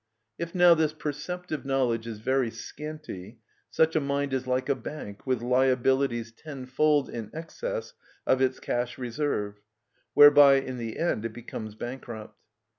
If now this perceptive knowledge is very scanty, such a mind is like a bank with liabilities tenfold in excess of its cash reserve, whereby in the end it becomes bankrupt.